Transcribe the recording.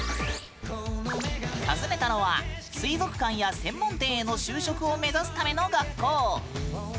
訪ねたのは、水族館や専門店への就職を目指すための学校。